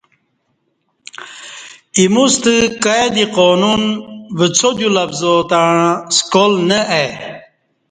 ایموستہ کائی دی قانون وڅادیو لفظ تݩع سکال نہ ائے